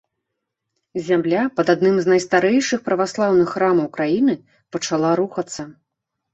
Зямля пад адным з найстарэйшых праваслаўных храмаў краіны пачала рухацца.